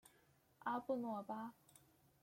阿布诺巴。